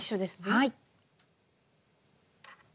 はい。